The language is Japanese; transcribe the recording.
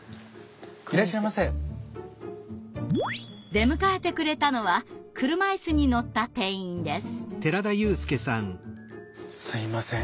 出迎えてくれたのは車いすに乗った店員です。